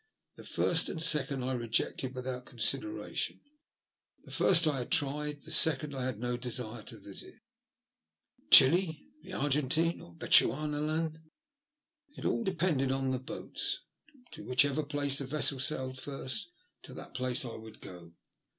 The first and second I rejected without consideration. The first I had 102 THE LUST OP HATE. tried, the second I had no desire to visit. Chili, the Argentine, or Bechuanaland ? It all depended on the boats. To whichever place a vessel sailed first, to that place I would go.